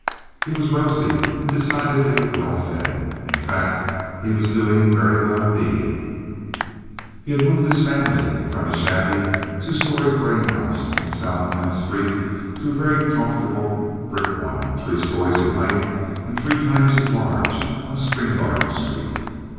He was rosy and decidedly well fed. In fact, he was doing very well indeed. He had moved his family from a shabby two story frame house in South Ninth Street to a very comfortable brick one three stories in height, and three times as large, on Spring Garden Street.